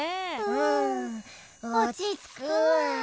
うんおちつくわ。